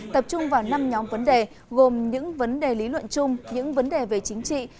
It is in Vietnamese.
tập trung vào năm nhóm vấn đề gồm những vấn đề lý luận chung những vấn đề về chính trị